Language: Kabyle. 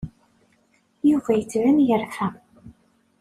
Yuba yettban yerfa.